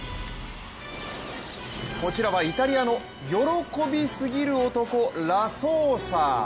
こちらはイタリアの喜びすぎる男・ラソーサ。